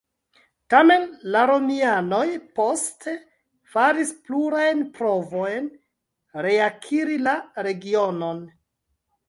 Tamen, la romianoj poste faris plurajn provojn reakiri la regionon.